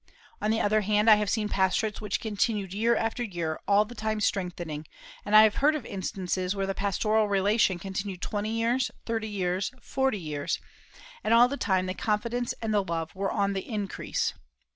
On the other hand, I have seen pastorates which continued year after year, all the time strengthening, and I have heard of instances where the pastoral relation continued twenty years, thirty years, forty years, and all the time the confidence and the love were on the increase.